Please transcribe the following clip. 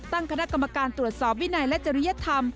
ตั้งคณะกรรมการตรวจสอบวินัยและจริยธรรม